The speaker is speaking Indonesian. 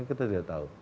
kita tidak tahu